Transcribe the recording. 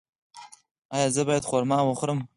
ایا زه باید خرما وخورم؟